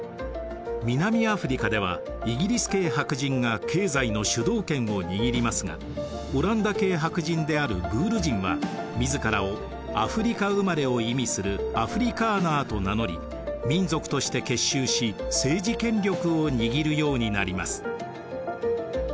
南アフリカではイギリス系白人が経済の主導権を握りますがオランダ系白人であるブール人は自らをアフリカ生まれを意味する「アフリカーナー」と名乗り民族として結集し政治権力を握るようになります。